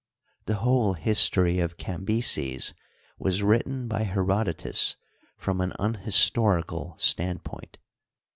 The whole history of Cambyses was written by He^ rodotus from an unhistprical standpoint.